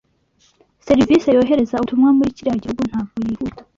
Serivise yohereza ubutumwa muri kiriya gihugu ntabwo yihuta.